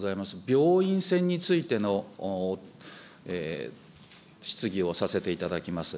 病院船についての質疑をさせていただきます。